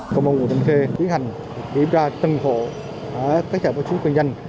công an quận thanh khê tiến hành kiểm tra tầng hộ các sản xuất kinh doanh